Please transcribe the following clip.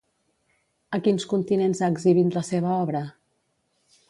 A quins continents ha exhibit la seva obra?